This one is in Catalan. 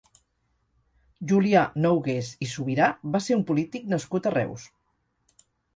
Julià Nougués i Subirà va ser un polític nascut a Reus.